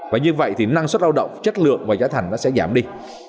và như vậy thì năng suất lao động chất lượng và giá thành nó sẽ giảm đi